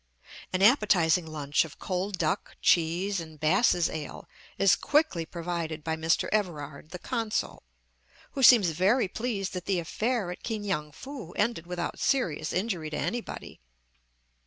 An appetizing lunch of cold duck, cheese, and Bass's ale is quickly provided by Mr. Everard, the consul, who seems very pleased that the affair at Ki ngan foo ended without serious injury to anybody.